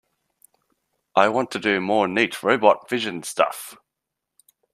I want to do more neat robot vision stuff.